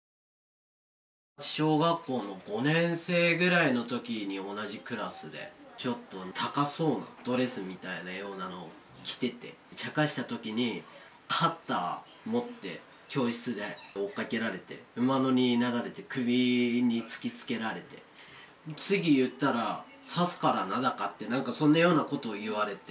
小学校の５年生ぐらいのときに同じクラスで、ちょっと高そうなドレスみたいなようなのを着てて、ちゃかしたときに、カッター持って教室で追っかけられて、馬乗りになられて、首に突きつけられて、次言ったら刺すからなだか、なんかそんなようなことを言われて。